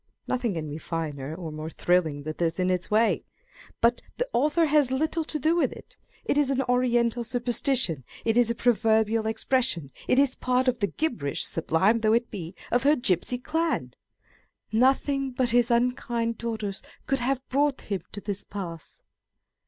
Nothing can be finer or more thrilling than this in its way ; but the author has little to do with it. It is an Oriental superstition ; it is a proverbial expression ; it is part of the gibberish (sublime though it be) of her gipsy clan ! â€" " Nothing but his unkind daughters could have brought him to this pass."